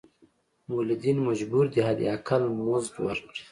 مولدین مجبور دي حد اقل مزد ورکړي.